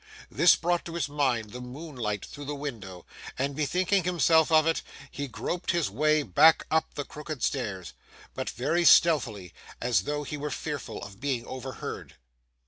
This brought to his mind the moonlight through the window, and bethinking himself of it, he groped his way back up the crooked stairs,—but very stealthily, as though he were fearful of being overheard.